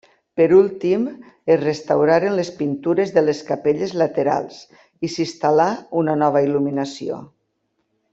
Per últim es restauraren les pintures de les capelles laterals i s'instal·là una nova il·luminació.